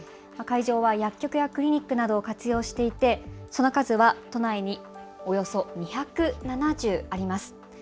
会場は薬局やクリニックなどを活用していてその数は都内におよそ２７０あります。